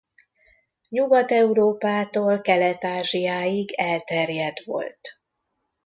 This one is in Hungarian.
Nyugat-Európától Kelet-Ázsiáig elterjedt volt.